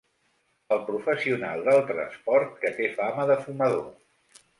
El professional del transport que té fama de fumador.